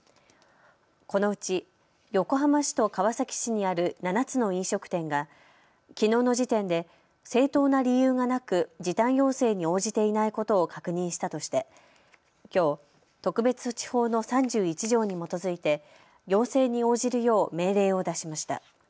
このうち横浜市と川崎市にある７つの飲食店がきのうの時点で正当な理由がなく、時短要請に応じていないことを確認したとしてきょう特別措置法の３１条に基づいて要請に応じるよう命令を出しました。